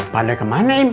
pandai kemana im